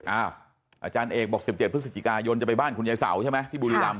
อาจารย์เอกบอก๑๗พฤศจิกายนจะไปบ้านคุณยายเสาใช่ไหมที่บุรีรำ